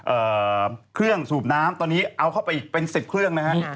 เอ่อเครื่องสูบน้ำตอนนี้เอาเข้าไปอีกเป็นสิบเครื่องนะฮะ